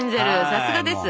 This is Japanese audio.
さすがです。